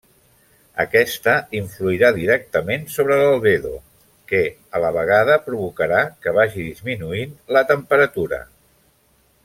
Aquesta influirà directament sobre l’albedo que, a la vegada, provocarà que vagi disminuint la temperatura.